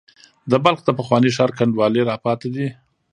د بلخ د پخواني ښار کنډوالې را پاتې دي.